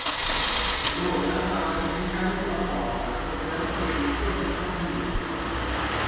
Grover apre con il canto la porta e Percy e Nico entrano negli Inferi.